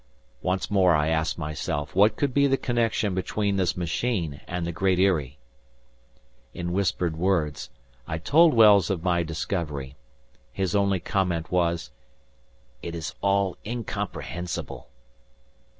Once more I asked myself what could be the connection between this machine and the Great Eyrie! In whispered words, I told Wells of my discovery. His only comment was, "It is all incomprehensible!"